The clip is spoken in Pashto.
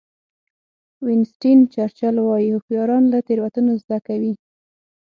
وینسټن چرچل وایي هوښیاران له تېروتنو زده کوي.